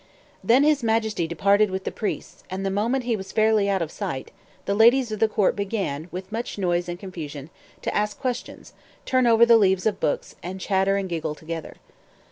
Then his Majesty departed with the priests; and the moment he was fairly out of sight, the ladies of the court began, with much noise and confusion, to ask questions, turn over the leaves of books, and chatter and giggle together.